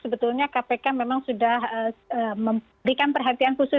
sebetulnya kpk memang sudah memberikan perhatian khusus